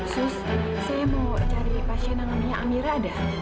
sus saya mau cari pasien nangannya amira ada